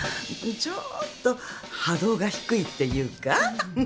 ちょっと波動が低いっていうかふふふっ。